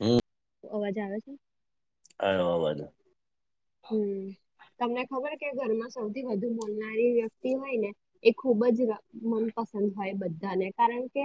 હમ્મ. અવાજ આવે છે? આયો અવાજ. હમ્મ, તમને ખબર કે ઘરમાં સૌથી વધુ બોલનારી વ્યક્તિ હોય ને, એ ખૂબ જ મનપસંદ હોય બધાને, કારણ કે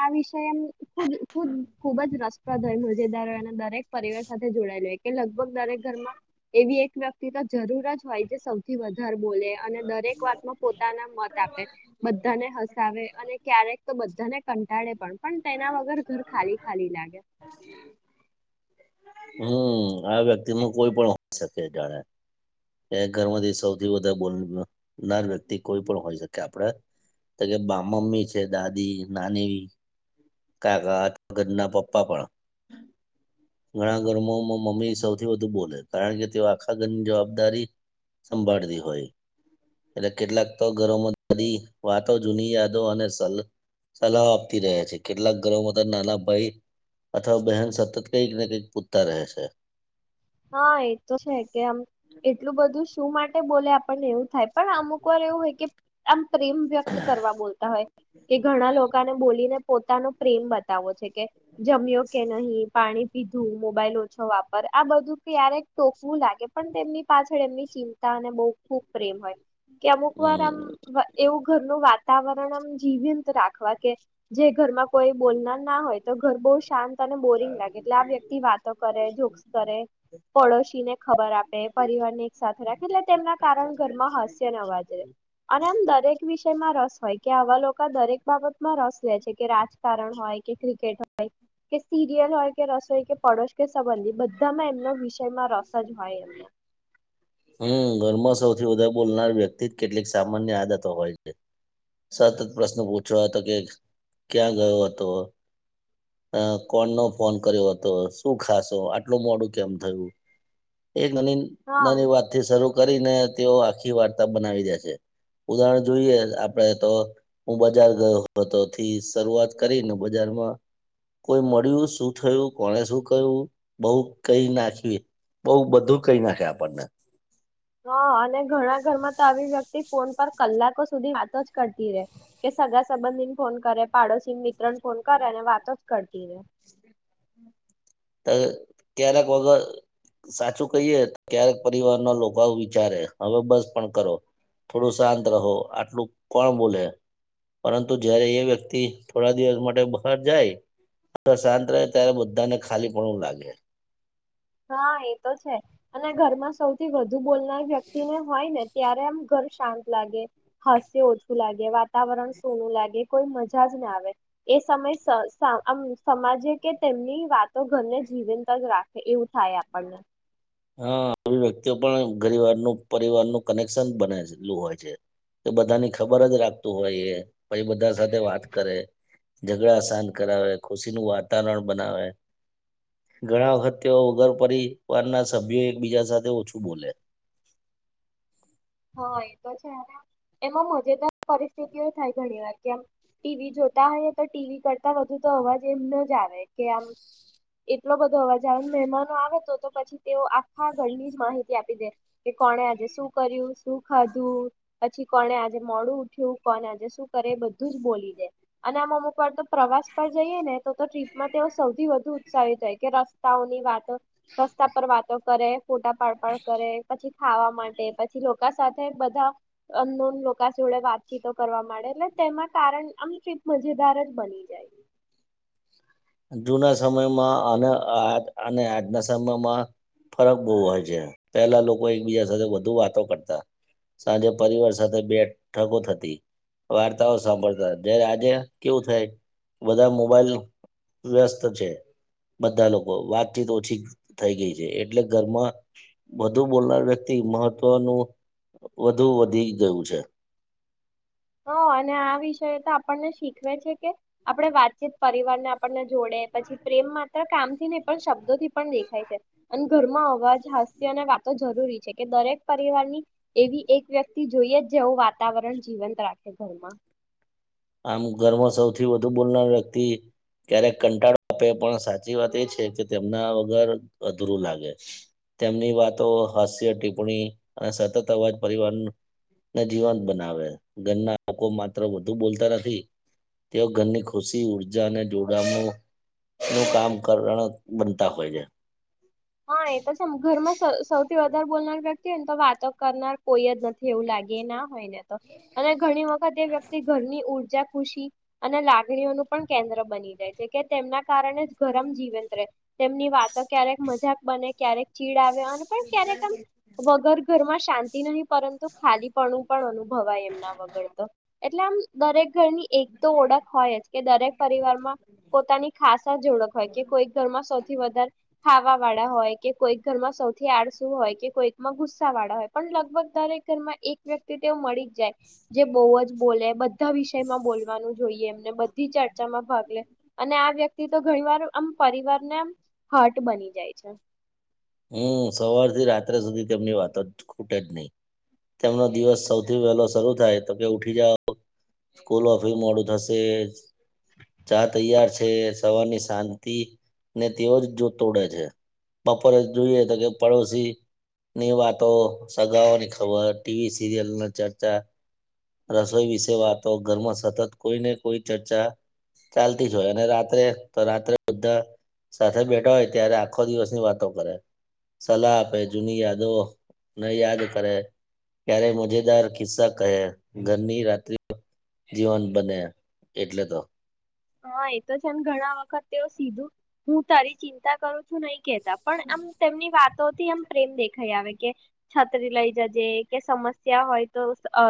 આ વિષય [unintelligible] જે દારે એના દરેક પરિવાર સાથે જોડાયેલું કે લગભગ દરેક ઘરમાં. એવી એક વ્યક્તિ તો જરૂર જ હોય જે સૌથી વધુ ઘર બોલે અને દરેક વાતમાં પોતાના મત આપે, બધાને હસાવે અને ક્યારેક તો બધાને કંટાળે, પણ પણ તેના વગર ઘર ખાલી ખાલી લાગે. હમ આ વ્યક્તિ ન કોઈ પણ હોય શકે જાણે એ ઘરમાંથી સૌથી વધુ બોલનારી વ્યક્તિ કોઈ પણ હોય શકે આપડે તો કે મમ્મી છે દાદી, નાની. કાકા, ઘરના પપ્પા પણ, ઘણા ઘરમાં મમ્મી સૌથી વધુ બોલે કારણ કે તેઓ આખા ઘરની જવાબદારી, સંભાળતી હોય. એટલે કેટલાક તો ઘરોમાં બ વાતો જૂની યાદો અને સ સલાહ આપતી રહેયા છે. કેટલાક ઘરોમાં તો નાના ભાઈ અથવા બહેન સતત કંઈક ને કંઈક પૂછતા રહે છે. હા એ તો છે કે આમ એટલું બધું શું માટે બોલે આપણને એવું થાય પણ અમુક વાર એવું હોય કે આમ પ્રેમ વ્યક્ત કરવા બોલતા હોય. એ ઘણા લોકોને બોલીને પોતાનો પ્રેમ બતાવો છે કે જમ્યો કે નહીં. પાણી પીધું મોબાઈલ ઓછો વાપર આ બધું ક્યારેક ટોકવું લાગે પણ તેમની પાછળ એમની ચિંતા અને બહુ ખૂબ પ્રેમ હોય. કે અમુક વાર આમ હમ એવું ઘરનું વાત વાતાવરણ એમ જીવી તે રાખવા કે જે ઘરમાં. કોઈ બોલનાર ના હોય, તો ઘર બહુ શાંત અને બોરિંગ લાગે. એટલે આ વ્યક્તિ વાતો કરે, જોક્સ કરે. પડોશી ને ખબર આપે પરિવાર ને એક સાથે રાખે. એટલે તેમના કારણ ઘરમાં હાસ્ય નવાજે. અને આમ દરેક વિષયમાં. રસ હોય કે. આવા લોકો દરેક બાબતમાં રસ લે છે, કે રાજ કારણ હોય, કે ક્રિકેટ હોય, કે સી. સીરીયલ હોય કે રસોઈ કે પડોશી કે સંબંધી. બધામાં એમનો વિષય. હમ્મ! ઘરમાં. સૌથી વધારે બોલનાર વ્યક્તિ કેટલીક સામાન્ય આદતો હોય છે. સતત પ્રશ્ન પૂછ્યો હતો કે, ક્યાં ગયો હતો? કોણ નો ફોન કર્યો હતો? શું ખાસ. તો, આટલું મોડું કેમ થયું? એક નની હા નાની વાત થી શરૂ. કરીને તેઓ આખી વાર્તા બનાવી દે છે. ઉદાહરણ જોઈએ આપડે તો, હું બજાર ગયો હતોથી શરૂઆત કરીને, બજારમાં કોઈ મળ્યું શું થયું કોને શું કહ્યું બઉ કઈ નાખી. બઉ બધું કઈ નાખે આપણને. હા, અને ઘણા ઘર માં તો આવી વ્યક્તિ. ફોન પર કલાકો સુધી વાતો જ કરતી રે, કે સગા સંબંધી ફોન કરે. પાડોશી ને રણ ફોન કર. અને વાતો જ કર. તીરે તો ક્યારેક વગર સાચું કહીએ ક્યારેક પરિવારના લોકો આવું વિચારે હવે બસ પણ કરો થોડું શાંત રહો આટલું કોણ બોલે પરંતુ જયારે એ વ્યક્તિ થોડા દિવસ માટે બહાર જાય શાંત રહે ત્યારે બધાને ખાલી પનું લાગે. હા એ તો છે અને ઘરમાં સૌથી વધુ બ બોલનાર વ્યક્તિને હોય ને ત્યારે આમ ઘર શાંત લાગે હાસ્ય ઓછું લાગે વાતાવરણ શુનું લાગે કોઈ મજા જ ના આવે એ સમયેમ સમાજે કે તેમની વાતો ઘરને જીવંત જ રાખે એવું થાય આપણને. હા આવી વ્યક્તિઓ પણ ઘરે પરિવારનું કનેક્શન બનેલું હોય છે એ બધાની ખબર જ રાખતું હોય એ પૂછે બધા સાથે વાત કરે ઝઘડા શાત કરાવે ખુશીનું વાતાવરણ બનાવે ઘણા વખત તેઓ વગર પરિવારના સભ્યો એકબીજા સાથે ઓછું બોલે. હા એ તો છે એમાં મજેદાર પરિસ્થિતિ થાય ઘણી વાર કે આમ ટીવી જોતા હોયએ તો ટીવી કરતા વધુ તો અવાજ એમ ન જ આવે કે આમ એટલો બધો અવાજ આવે મહેમાનો આવે તો તો પછી તેઓ આખા ઘરની જ માહિતી આપી દે કે કોણે આજે શું કર્યું શું ખાધું પછી કોને આજે મોડું ઉઠ્યું કોને આજે શું કરે બધું જ બોલી દે અને આમ અમુક વાર તો પ્રવાસ પર જઈએ ને તો તો ટ્રીપમાં તેઓ સૌથી વધુ ઉત્સાહિત થાય કે રસ્તાઓ ની વાતો રસ્તા પર વાતો કરે ફોટા પડ પાડ કરે પછી ખાવા માટે પછી સાથે બધા અ જોડે વાતચીતો કરવા માંડે એટલે તેમાં કારણ આમ ચીપ મજેદાર જ બની જાય. જુના સમયમાં અને આ અને આજના સમયમાં ફરક બહુ હોય છે. પહેલા લોકો એકબીજા સાથે વધુ વાતો કરતા સાંજે પરિવાર સાથે બેઠકો થતી વાર્તાઓ સાંભળતા જય્યારે આજે કેવું થાય બધા મોબાઈલ વ્યસ્ત છે. બધા લોકો વાતચીત ઓછી થઈ ગઈ છે એટલે ઘરમાં વધુ બોલનાર વ્યક્તિ મહત્વનું વધુ વધી ગયું છે. હ અને આ વિષય તો આપણને શીખવે છે કે આપણે વાતચીત પરિવારને આપણને જોડે પછી પ્રેમ માત્ર કામથી નહી પણ શબ્દો થી પણ દેખાય છે અને ઘરમાં અવાજ હાસ્ય અને વાતો જરૂરી છે કે દરેક પરિવારની એવી એક વ્યક્તિ જોઈએ જ જેવું વાતાવરણ જીવંત રાખે ઘરમાં. આમ ઘર સૌથી વધુ બોલનાર વ્યક્તિ ક્યારેક કંટાળો આપે પણ સાચી વાત એ છે કે તેમના વગર અધૂરું લાગે તેમની વાતો હાસ્ય ટિપ્પણી અને સતત અવાજ પરિવારને જીવંત બનાવે ઘરના લોકો માત્ર વધુ બોલ [unintelligible] તેઓ ઘરની ખુશી ઉર્જા અને જોડાયે નું કામ કરણ બનતા હોય છે. હા એ તો છે ઘરમાં સૌ વધર બોલનાર વ્યક્તિ હોય ને તો વાતો કરનાર કોઈ જ નથી એવું લાગે ના હોય ને તો અને ઘણી વખત એ વ્યક્તિ ઘરની ઊર્જા ખુશી અને લાગણીઓનું પણ કેન્દ્ર બની જે છે કે તેમના કારણે જ ઘરે જીવંત રહે તેમની વાતો ક્યારેક મજાક બને ક્યારેક ચીડ આવે [unintelligible] ક્યારેક વગર ઘરમાં શાંત [unintelligible] પરંતુ ખાલીપણું પણ અનુભવાય એમના વગર તો એટલે આમ દરેક ઘરની એક તો ઓળખ હોય જ કે દરેક પરિવારમાં પોતાની ખાસા જ ઓળખ હોય કે કોઈક ઘરમાં સૌથી વધારે ખાવા વાળા હોય કે કોઈક ઘરમાં સૌથી આડસું હોય કે કોઈકમાં ગુસ્સા વાળા હોય પણ લગભગ દરેક ઘરમાં એક વ્યક્તિ તેવ મળી જ જાય જે બહુ જ બોલે બધા વિષયમાં બોલવાનું જોઈએ એમને બધી ચર્ચામાં ભાગ લે અને આ વ્યક્તિ તો ઘણી વાર આમ પરિવાર ને આમ હટ બની જાય છે છે હમ સવાર થી રાત્રે સુધી તેમની વાતો જ ખૂટે જ નહીિ તેમનો દિવસ સૌથી વહેલો શરૂ થાય તો કે ઉઠી જાાવ સ્કૂલ ઓ ફી મોડું થશે ચા તૈયાર છે તે સવારની શાંતિ ને તેઓ જ જોતોડે છે ઉપ જોઈએ તો કે પડોશી ની વાતો સગાઓની ખબર ટીવી સિરિયલની ચર્ચા રસોઈ વિશે વાતો ઘરમાં સતત કોઈ ને કોઈ ચર્ચા ચાલતી જ હોય અને રાત્રે તો રાત્રે બધા સાથે બેઠા હોય ત્યારે આખો દિવસની વાતો પરે સલાહ આપે જૂની યાદો ને યાદ કરે ક્યારે મજેદાર ખિસ્સા કહે ઘરની રાત્રિ જીવન બને એટલે તો હા એ તો છે ઘણા વખત તે સીધું હું તારી ચિંતા કરું છું નહી કેતા પણ આમ તેમની વાત તોથી આમ પ્રેમ દેખાય આવે કે છત્રી લઈ જજે કે સમસ્યા હોય તો અ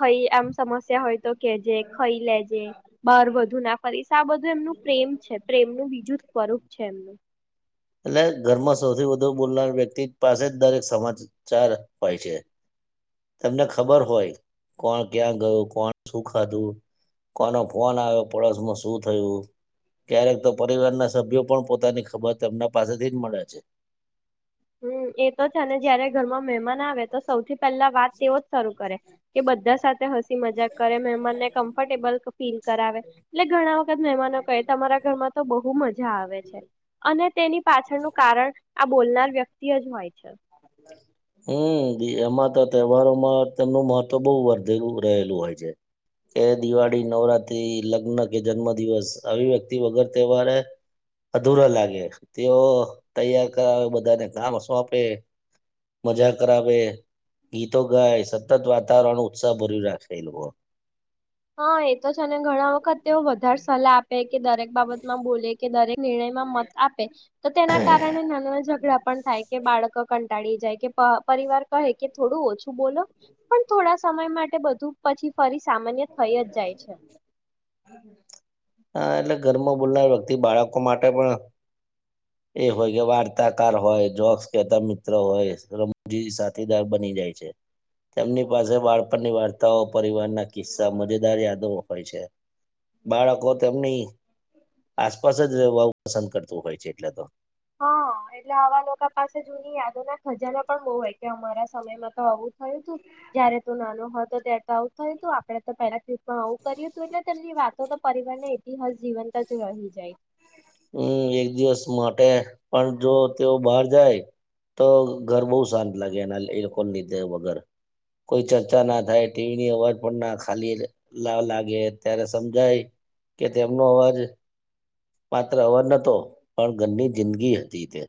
ખઈ આમ સમસ્યા હોય તો કેજે ખાઈ લેજે બાર વધુ ના ફરી આ બધું એમનું પ્રેમ છે પ્રેમનું બીજું સ્વરૂપ છે એમનું એટલે ઘરમાં સૌથી વધુ બોલનાર વ્યક્તિ પાસે જ દરેક સમાચાર હોય છે તમને ખબર હોય કોણ ક્યાં ગયું કોણ શું ખાધું કોનો ફોન આવ્યો પડોશમાં શું થયું ક્યારેક તો પરિવાર ના સભ્યો પણ પોતાની ખબર તેમના પાસેથી જ મળે છે હમ્મ એતો છે અને જયારે ઘરમાં મહેમાન આવે તો સૌથી પેલા વાત તેઓ જ શરૂ કરે કે બધા સાથે હસી મજાક કરે મહેમાનને કમ્ફર્ટેબલ ફીલ કરાવે એટલે ઘણા વખત મહેમાનો કહે તમારા ઘરમાં તો બહુ મજ આવે છે અને તેની પાછળનું કારણ આ બોલનાર વ્યક્તિ જ હોય છે હમ્મ એમાં તો તહેવારોમાં તેમનું મહત્વ બહુ વધેલું રહેલું હોય છે કે દિવાળી નવરાત્રી લગ્ન કે જન્મ દિવસ આવી વ્યક્તિ વગર તહેવારે અધુરા લાગે તેઓ તૈયાર કરાવે બધાને કામ સોંપે મજા કરાવે, ગીતો ગાય સતત વાતાવરણ ઉત્સાહ ભર્યું રાખેલુ હોય. હા એ તો છે અને ઘણા વખત તે વધારે સલાહ આપે કે દરેક બાબત માં બોલે કે દરેક નિર્ણયમાં મત આપે તો તેના કારણે નાના ઝઘડા પણ થાય કે બાળક કંટાળી જાય કે પ પરિવાર કહે કે થોડું ઓછું બોલો પણ થોડા સમય માટે બધું પછી ફરી સામાન્ય થઈ જ જાય છે. હા એટલે ઘરમાં બોલનાર વ્યક્તિ બાળકો માટે પણ એ હોય કે વાર્તાકાર હોય, જોક્સ કહેતા મિત્ર હોય રમજી સાથીદાર બની જાય છે. તેમની પાસે બાળપણની વાર્તાઓ પરિવારના કિસ્સા મજેદાર યાદો હોય છે. બાળકો તેમની આસપાસ જ રહેવા પસંદ કરતું હોય છે. એટલે તો. હા એટલે આવા લોકો પાસે જૂની યાદો ના ખજાના પણ બહુ હોય કે અમારા સમયમાં તો આવું થયું હતું જયારે તું નાનો હતો ત્યારે તો આવું થયું હતું આપડે તો પેલા હા હું કર્યું તું એટલે તેની વાત તો તો પરિવારના ઇતિહાસ જીવંત જ રહી જાય. હમ્મ એક દિવસ માટે પણ જો તેઓ બહાર જાય તો ઘર બહુ શાંત લાગે એના એ લોકોના લીધે વગર કોઈ ચર્ચા ના થાય ટીવીની અવાજ પણ ના ખાલી લાગે ત્યારે સમજાય કે તેમનો અવાજ પાત્ર અવર નહતો પણ ઘરની જિંદગી હતી તે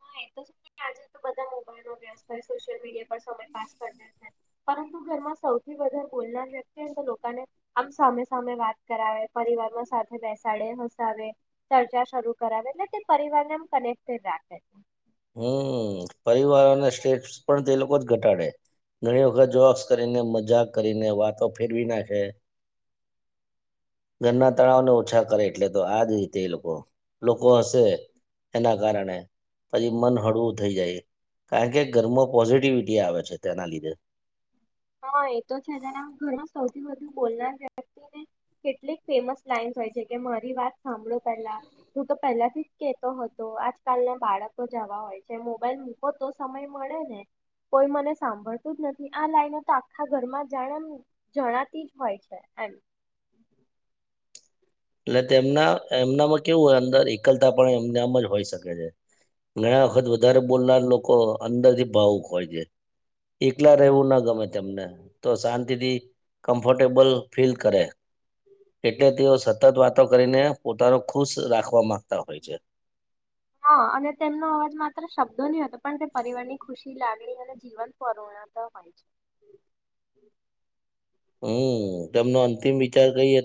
હા, એ તો છે આજે તો બધા મોબાઈલમાં વ્યસ્ત હોય, સોશિયલ મીડિયા પર સમય પાસ કરે છે પરંતુ ઘરમાં સૌથી વધાર બોલનાર વ્યક્તિને તો લોકોને આમ સામે-સામે વાત કરાવે, પરિવારમાં સાથે બેસાડે, હસાવે ચર્ચા શરૂ કરાવે એટલે તે પરિવારને આમ કનેક્ટેડ રાખે. હમ્મ, પરિવાર અને સ્ટેટસ પણ તે લોકો જ ઘટાડે, ઘણી વખત જોક્સ કરીને મજાક કરીને વાતો ફેરવી નાખે. ઘરના તણાવને ઓછા કરે એટલે તો આ જ રીતે એ લોકો-લોકો હસે એના કારણે પછી મન હળવું થઈ જાય કારણ કે ઘરમાં પોઝિટિવિટી આવે છે તેના લીધે હા એ તો છે જેના ઘરમાં સૌથી વધુ બોલનાર વ્યક્તિને કેટલીક ફેમસ લાઈન હોય છે, કે મારી વાત સાંભળો પેલા હું તો પહેલાથી જ કેતો હતો આજકાલના બાળકો જવા હોય છે, મોબાઈલ મૂકો તો સમય મળે ને કોઈ મને સાંભળતું જ નથી આ લાઈનો તો આખા ઘરમાં જાણે આમ જણાતી જ હોય છે, એમ એટલે તેમના એમનામાં કેવું હોય અંદર એકલતા પણ એમનામ જ હોય શકે છે, ઘણા વખત વધારે બોલનાર લોકો અંદર થી ભાવુક હોય છે, એકલા રહેવું ના ગમે તેમને તો શાંતિથી કમ્ફર્ટેબલ ફીલ કરે એટલે તેઓ સતત વાતો કરીને પોતાનો ખુશ રાખવા માંગતા હોય છે. હા અને તેમનો અવાજ માત્ર શબ્દો નહીં હતો પણ તે પરિવાર ની ખુશી લાગણી અને જીવન પર્ણ હોય છે. હમ્મ, તેમનો અંતિમ વિચાર કઈ હતો